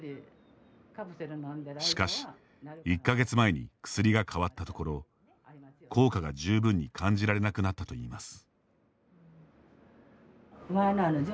しかし、１か月前に薬が変わったところ効果が十分に感じられなくなったといいます。